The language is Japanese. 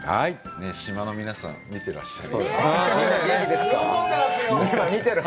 島の皆さん、見てらっしゃる。